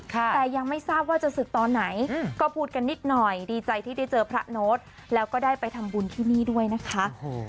แต่ยังไม่ทราบว่าจะศึกตอนไหนก็พูดกันนิดหน่อยดีใจที่ได้เจอพระโน้ตแล้วก็ได้ไปทำบุญที่นี่ด้วยนะคะ